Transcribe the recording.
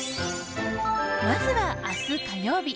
まずは明日、火曜日。